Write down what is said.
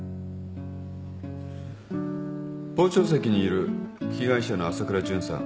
傍聴席にいる被害者の朝倉純さん。